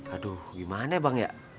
aduh gimana bang ya